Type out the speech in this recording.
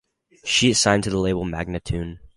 She is signed to the label Magnatune.